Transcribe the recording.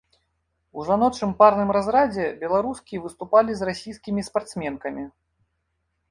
У жаночым парным разрадзе беларускі выступалі з расійскімі спартсменкамі.